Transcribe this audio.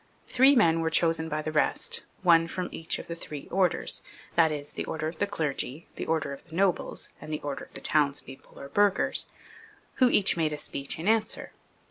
Three men were chosen by the rest, one from each of the three orders, that is, the order of the clergy, the order of the nobles, and the order of the townspeople or burghers, who each made a speech in answer.